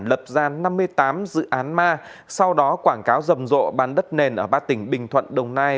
lập ra năm mươi tám dự án ma sau đó quảng cáo rầm rộ bán đất nền ở ba tỉnh bình thuận đồng nai